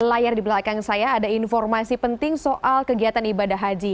di layar di belakang saya ada informasi penting soal kegiatan ibadah haji